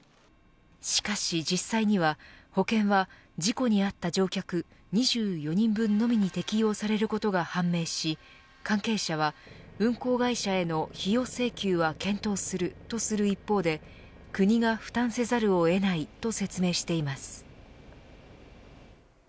しかし、実際には保険は事故に遭った乗客２４人分のみに適用されることが判明し関係者は運航会社への費用請求は検討するとする一方で国が負担せざるを得ないと説明しています。